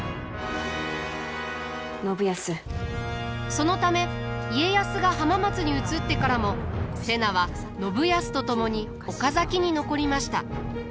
そのため家康が浜松に移ってからも瀬名は信康と共に岡崎に残りました。